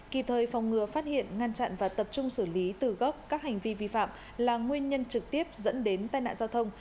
kỳ thời phòng ngừa phát hiện ngăn chặn và tập trung xử lý từ gốc các hành vi vi phạm là nguyên nhân trực tiếp dẫn đến tai nạn giao thông